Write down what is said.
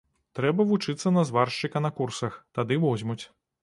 Трэба вучыцца на зваршчыка на курсах, тады возьмуць.